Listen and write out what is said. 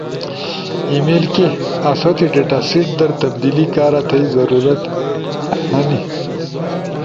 ای میل کے؟ آسو تی ڈیٹاسیٹ در تبدیلی کارا تھئی ضرورت اینی،